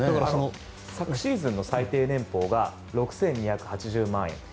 昨シーズンの最低年俸が６４８０万円。